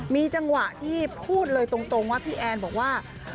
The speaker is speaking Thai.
มีจังหวะที่พูดเลยตรงว่าพี่แอนบอกว่า